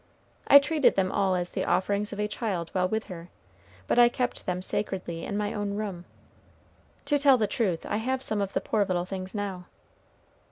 I treated them all as the offerings of a child while with her, but I kept them sacredly in my own room. To tell the truth, I have some of the poor little things now.